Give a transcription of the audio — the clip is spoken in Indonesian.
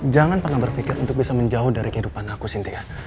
jangan pernah berpikir untuk bisa menjauh dari kehidupan aku sintia